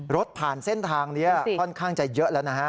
รถผ่านเส้นทางนี้ค่อนข้างจะเยอะแล้วนะฮะ